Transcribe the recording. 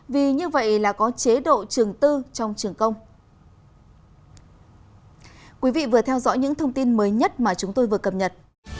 vì như vậy là có chế độ trường tư trong trường công